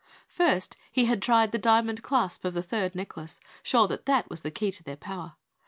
First he had tried the diamond clasp of the third necklace, sure that that was the key to their power.